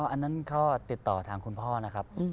อันนั้นเขาติดต่อทางคุณพ่อนะครับ